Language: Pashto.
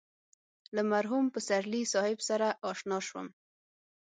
له مرحوم پسرلي صاحب سره اشنا شوم.